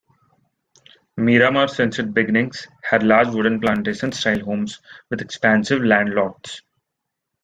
Miramar since its beginnings had large wooden plantation style homes with expansive land lots.